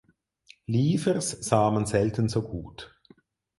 Liefers sah man selten so gut.